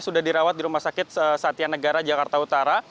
sudah dirawat di rumah sakit satianegara jakarta utara